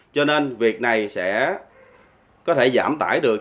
cho nên việc này sẽ có thể giảm tải được